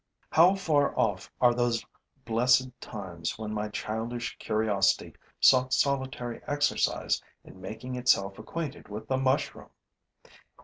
How far off are those blessed times when my childish curiosity sought solitary exercise in making itself acquainted with the mushroom!